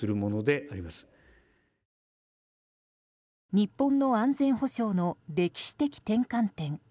日本の安全保障の歴史的転換点。